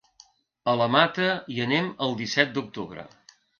A la Mata hi anem el disset d'octubre.